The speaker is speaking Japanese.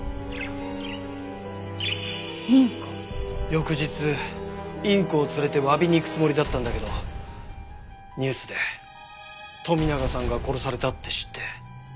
翌日インコを連れて詫びに行くつもりだったんだけどニュースで富永さんが殺されたって知って。